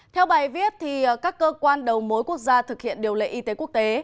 theo bài viết các cơ quan đầu mối quốc gia thực hiện điều lệ y tế quốc tế